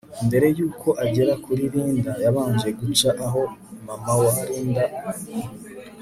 mbere yuko agera kuri Linda yabanje guca aho mama wa Linda